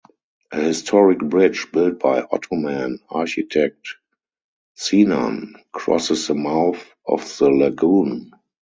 A historic bridge, built by Ottoman architect Sinan, crosses the mouth of the lagoon.